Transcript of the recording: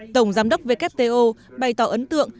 tổng giám đốc wto bày tỏ ấn tượng